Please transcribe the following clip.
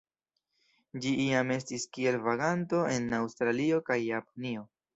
Ĝi iam estis kiel vaganto en Aŭstralio kaj Japanio.